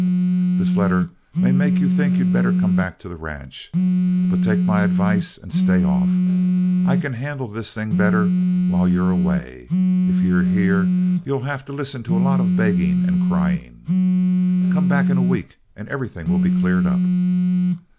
"This letter may make you think that you'd better come back to the ranch. But take my advice and stay off. I can handle this thing better while you're away. If you're here you'll have to listen to a lot of begging and crying. Come back in a week and everything will be cleared up.